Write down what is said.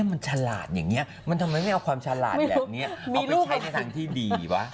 เน่มันฉลาดอย่างงี้ทำไมไม่เอาความฉลาดแหละเนี่ยเอาไปใช้ทางที่ดีว่ะ